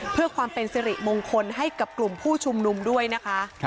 เพื่อความเป็นสิริมงคลให้กับกลุ่มผู้ชุมนุมด้วยนะคะ